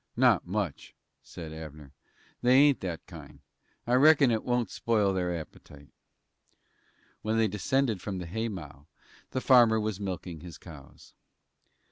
"Not much," said Abner. "They ain't that kind. I reckon it won't spoil their appetite." When they descended from the haymow, the farmer was milking his cows.